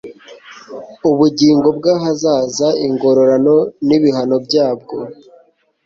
ubugingo bw'ahazaza, ingororano n'ibihano byabwo.